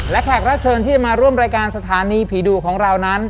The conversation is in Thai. และแขกรับเชิญที่จะมาร่วมรายการสถานีผีดุของเรานั้น